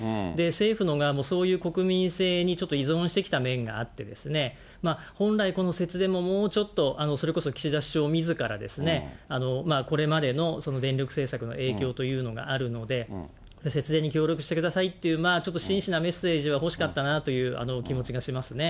政府の側もそういう国民性にちょっと依存してきた面があって、本来、この節電ももうちょっと、それこそ岸田首相みずからこれまでの電力政策の影響というのがあるので、節電に協力してくださいっていう、まあ、ちょっと真摯なメッセージは欲しかったなという気持ちがしますね。